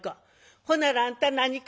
「ほならあんた何か？